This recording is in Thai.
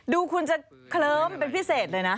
ดูคุณจะเคลิ้มเป็นพิเศษเลยนะ